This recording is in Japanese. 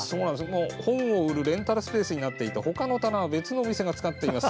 本を売るレンタルスペースになっていてほかの棚は別のお店が使っています。